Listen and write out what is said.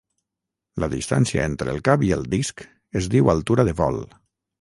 La distància entre el cap i el disc es diu altura de vol.